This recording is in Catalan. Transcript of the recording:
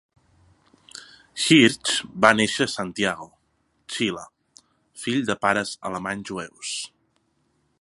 Hirsch va néixer a Santiago, Xile, fill de pares alemanys jueus.